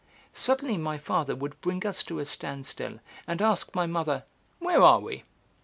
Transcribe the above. Suddenly my father would bring us to a standstill and ask my mother "Where are we?"